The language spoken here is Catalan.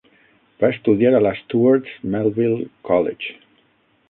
Va estudiar a la Stewart's Melville College.